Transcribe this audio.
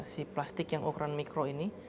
si plastik yang ukuran mikro ini